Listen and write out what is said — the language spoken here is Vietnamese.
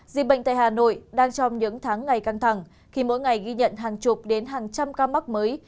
dịch bệnh tại hà nội đang trong những tháng ngày căng thẳng khi mỗi ngày ghi nhận hàng chục đến hàng trăm ca mắc mới